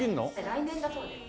来年だそうです。